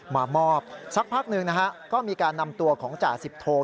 มามอบสักพักหนึ่งนะฮะก็มีการนำตัวของจ่าสิบโท